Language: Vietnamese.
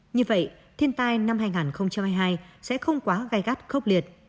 như vậy thiên tai năm hai nghìn hai mươi hai sẽ không quá hoàn toàn